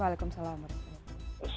waalaikumsalam warahmatullahi wabarakatuh